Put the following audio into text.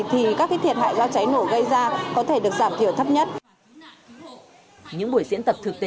thì các thiệt hại do cháy nổ gây ra có thể được giảm thiểu thấp nhất những buổi diễn tập thực tế